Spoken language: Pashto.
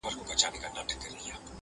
د گونگى په ژبه خپله مور ښه پوهېږي.